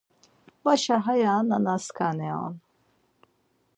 Vaşa haya nana-skani on!